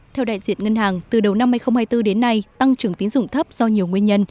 theo đại diện ngân hàng từ đầu năm hai nghìn hai mươi bốn đến nay tăng trưởng tín dụng thấp do nhiều nguyên nhân